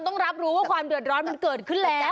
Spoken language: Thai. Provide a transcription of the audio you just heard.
ต้องรับรู้ว่าความเดือดร้อนมันเกิดขึ้นแล้ว